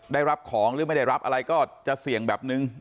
ได้รับของหรือไม่ได้รับอะไรก็จะเสี่ยงแบบนึง